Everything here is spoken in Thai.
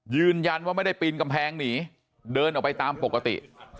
ยืนยันว่าไม่ได้ปีนกำแพงหนีเดินออกไปตามปกติ